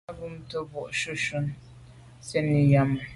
A bumte boa shunshun sènni yàme.